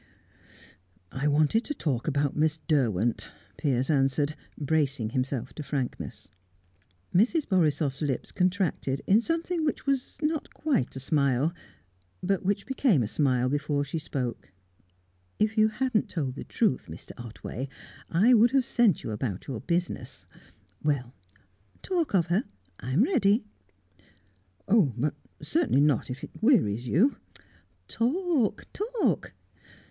"I wanted to talk about Miss Derwent," Piers answered, bracing himself to frankness. Mrs. Borisoff's lips contracted, in something which was not quite a smile, but which became a smile before she spoke. "If you hadn't told the truth, Mr. Otway, I would have sent you about your business. Well, talk of her; I am ready." "But certainly not if it wearies you " "Talk! talk!"